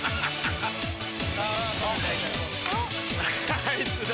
あいつだ。